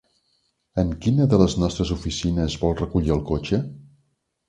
En quina de les nostres oficines vol recollir el cotxe?